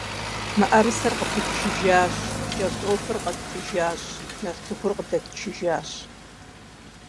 Мыӏэрысэр къыпытчыжащ, кӏэртӏофыр къэттӏыжащ, нартыхур къыдэтчыжащ.